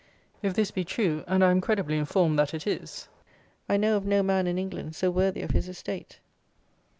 If this be true, and I am credibly informed that it is, I know of no man in England so worthy of his estate.